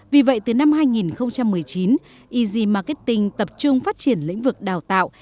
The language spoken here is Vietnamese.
vì vậy từ năm hai nghìn một mươi chín easy marketing tập trung phát triển lĩnh vực đào tạo